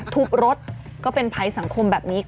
ทุบรถก็เป็นภัยสังคมแบบนี้